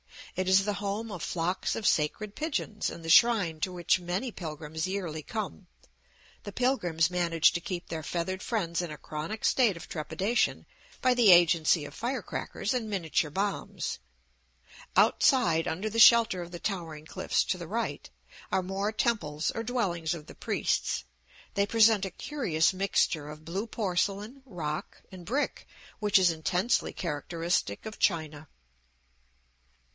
It is the home of flocks of sacred pigeons, and the shrine to which many pilgrims yearly come; the pilgrims manage to keep their feathered friends in a chronic state of trepidation by the agency of fire crackers and miniature bombs. Outside, under the shelter of the towering cliffs to the' right, are more temples or dwellings of the priests; they present a curious mixture of blue porcelain, rock, and brick which is intensely characteristic of China.